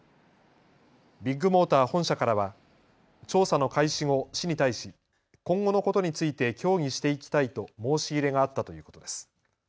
ビッグモーター本社からは調査の開始後、市に対し今後のことについて協議していきたいと申し入れがあったということです。